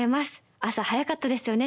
朝早かったですよね。